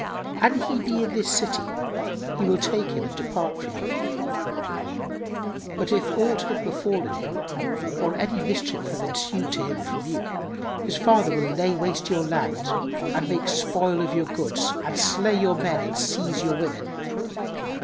An he be in this city, he will take him and depart from you; but, if aught have befallen him or any mischief have ensued to him from you, his father will lay waste your land and make spoil of your goods and slay your men and seize your women.